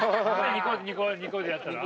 次２個でやったら？